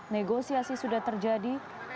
negosiasi sudah terjadi